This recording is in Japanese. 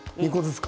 ２個ずつか。